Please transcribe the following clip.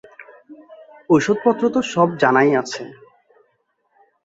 ওষুধপত্র তো সব জানাই আছে।